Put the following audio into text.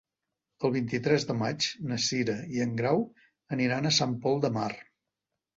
El vint-i-tres de maig na Cira i en Grau iran a Sant Pol de Mar.